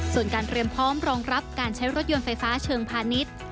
ส่วนการเตรียมพร้อมรองรับการใช้รถยนต์ไฟฟ้าเชิงพาณิชย์